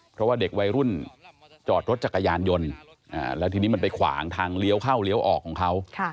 เพราะว่าเด็กวัยรุ่นจอดรถจักรยานยนต์แล้วทีนี้มันไปขวางทางเลี้ยวเข้าเลี้ยวออกของเขา